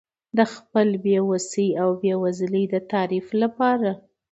د خپل بې وسۍ او بېوزلۍ د تعریف لپاره.